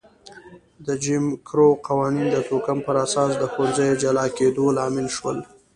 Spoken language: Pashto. د جیم کرو قوانین د توکم پر اساس د ښوونځیو جلا کېدو لامل شول.